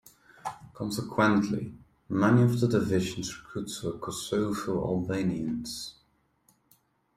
Consequently, many of the division's recruits were Kosovo Albanians.